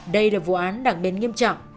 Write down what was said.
đây là vụ án đặc biệt nghiêm trọng